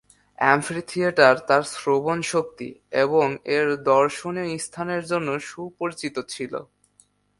Amphitheatre তার শ্রবণশক্তি এবং এর দর্শনীয় স্থানের জন্য সুপরিচিত ছিল।